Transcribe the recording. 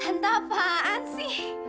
tante apaan sih